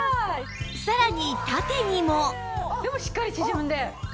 さらに縦にもでもしっかり縮んで。